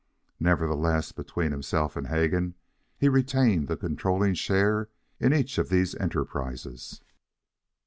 Nevertheless, between himself and Hegan, he retained the controlling share in each of these enterprises.